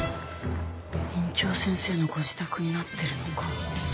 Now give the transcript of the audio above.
院長先生のご自宅になってるのか。